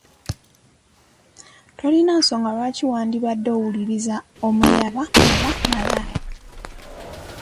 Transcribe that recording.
Tolina nsonga lwaki wandibadde owuliriza omuyaaye oba malaaya!